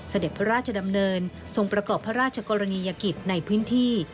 เสด็จพระราชดำเนินทรงประกอบพระราชกรณียกิจในพื้นที่